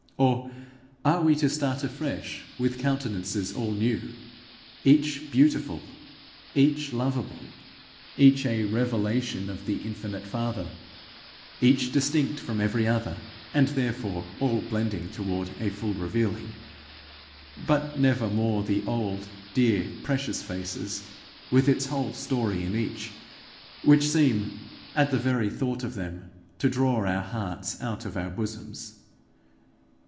Or are we to start afresh with countenances all new, each beautiful, each lovable, each a revelation of the infinite father, each distinct from every other, and therefore all blending toward a full revealing but never more the dear old precious faces, with its whole story in each, which seem, at the very thought of them, to draw our hearts out of our bosoms?